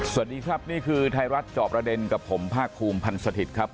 สวัสดีครับนี่คือไทยรัฐจอบประเด็นกับผมภาคภูมิพันธ์สถิตย์ครับ